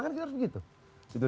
kita harus begitu